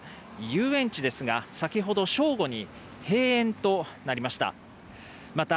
遊園地ですが先ほど正午に閉園となりました。